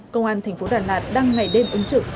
công an tp đà lạt đang ngày đêm ứng trực